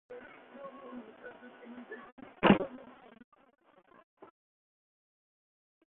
آیا په ژمي کې د غوښې ښوروا خوړل د بدن انرژي په سمه ساتي؟